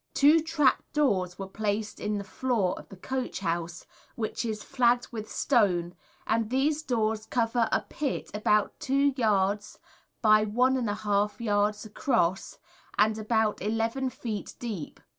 Two Trap doors were placed in the floor of the Coach house, which is flagged with stone, and these doors cover a pit about 2 yards by 1½ yards across, and about 11 feet deep.